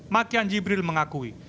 makian jibril mengakui